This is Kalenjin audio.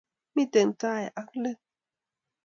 miten tai ago leet